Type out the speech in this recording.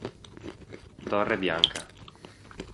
Torre Bianca